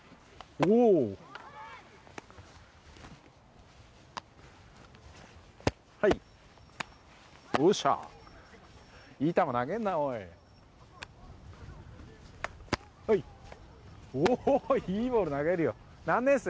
おお、いいボール投げるよ。